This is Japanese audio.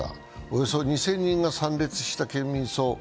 およそ２０００人が参列した県民葬。